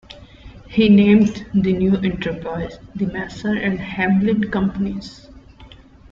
He named the new enterprise the "Mason and Hamlin Companies".